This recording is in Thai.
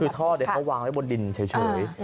คือท่อเขาวางไว้บนดินเฉย